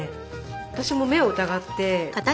私も目を疑って。